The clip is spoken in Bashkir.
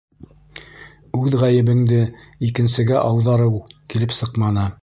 Үҙ ғәйебеңде икенсегә ауҙарыу килеп сыҡманы!